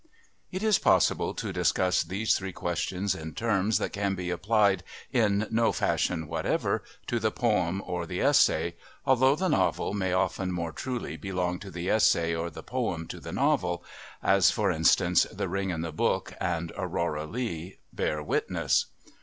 It is possible to discuss these three questions in terms that can be applied, in no fashion whatever, to the poem or the essay, although the novel may often more truly belong to the essay or the poem to the novel, as, for instance, The Ring and the Book and Aurora Leigh bear witness.